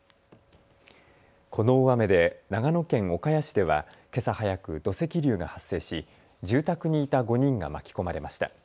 この大雨で長野県岡谷市ではけさ早く土石流が発生し住宅にいた５人が巻き込まれました。